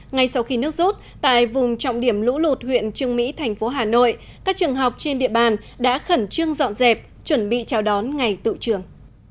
ngay sau khi nước rút tại vùng trọng điểm lũ lụt huyện trương mỹ thành phố hà nội các trường học trên địa bàn đã khẩn trương dọn dẹp chuẩn bị chào đón ngày tự trường